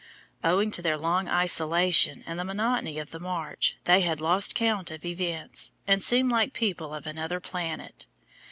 Owing to their long isolation and the monotony of the march they had lost count of events, and seemed like people of another planet.